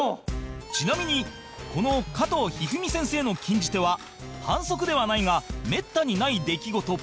ちなみにこの加藤一二三先生の禁じ手は反則ではないがめったにない出来事